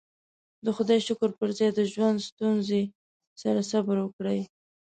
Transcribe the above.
د خدايې شکر پر ځای د ژوند ستونزې سره صبر وکړئ.